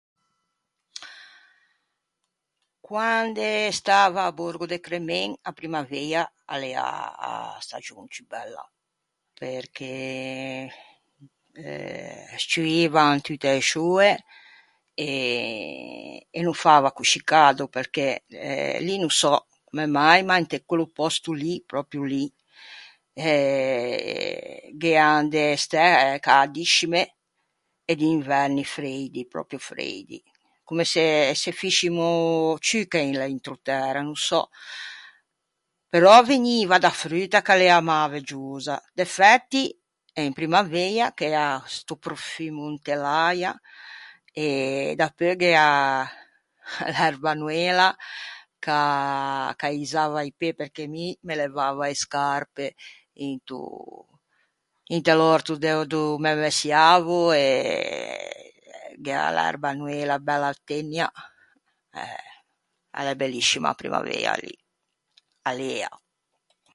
Quande stava à borgo de Cremen a primmaveia a l'ea a stagion ciù bella, perché, eh, sccioivan tutte e scioe, e no fava coscì cado, perché, lì no sò comme mai, ma inte quello pòsto lì, pròpio lì, gh'ean de stæ cädiscime e di inverni freidi, pròpio freidi. Comme se se fïscimo ciù che in l'entrotæra, no sò. Però vegniva da fruta ch'a l'ea mäveggiosa, defæti in primmaveia gh'ea sto profummo inte l'äia, e dapeu gh'ea l'erba noela, ch'a, ch'a caezava i pê, perché mi me levava e scarpe into, inte l'òrto de do mæ messiavo e, e gh'ea l'erba noela bella tenia, eh... A l'é belliscima a primmaveia, lì. A l'ea.